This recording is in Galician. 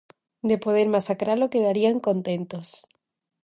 De poder masacralo, quedarían contentos...